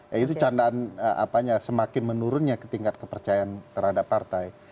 ya itu candaan semakin menurunnya tingkat kepercayaan terhadap partai